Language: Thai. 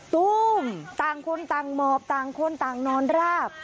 ตู้มต่างคนต่างหมอบต่างคนต่างนอนราบ